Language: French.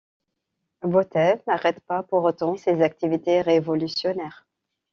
Botev n'arrête pas pour autant ces activités révolutionnaires.